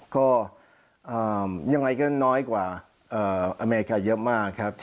ก็ยังไงก็น้อยกว่าอเมริกาเยอะมากครับ